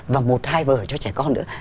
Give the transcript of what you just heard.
và một hai vở cho trẻ con nữa